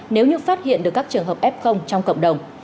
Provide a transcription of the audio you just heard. nếu như phát hiện được các trường hợp f trong cộng đồng